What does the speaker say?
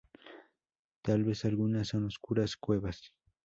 Tal vez algunas son oscuras, cuevas.